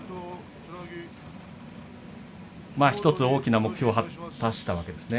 １つ大きな目標を果たしたわけですね。